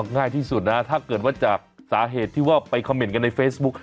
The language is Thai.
ง่ายที่สุดนะถ้าเกิดว่าจากสาเหตุที่ว่าไปคอมเมนต์กันในเฟซบุ๊ค